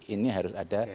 ini harus ada